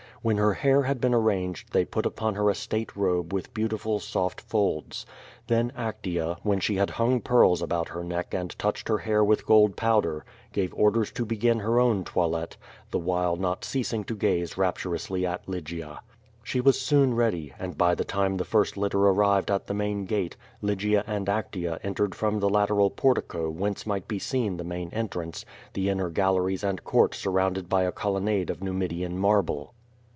When her hair had been arranged quo' VADI8. 55 they put upon her a state robe with beautiful soft folds. Then Actea, when she had hung pearls about her neck and touched her hair with gold powder, gave orders to begin her i own toilet, the while not ceasing to gaze rapturously at I Lygia. She was soon ready, and by the time the first litter arrived at the main gate, Lygia and Actea entered from tlie lateral portico whence might be seen the main entrance, the inner galleries and court surrounded by a colonnade of Numidian marble.